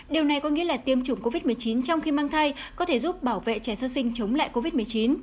điều này có nghĩa là tiêm chủng covid một mươi chín trong khi mang thai có thể giúp bảo vệ trẻ sơ sinh chống lại covid một mươi chín